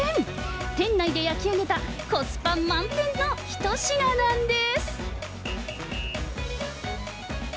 店内で焼き上げたコスパ満点の一品なんです。